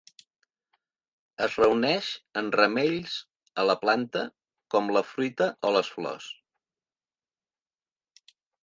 Es reuneix en ramells a la planta, com la fruita o les flors.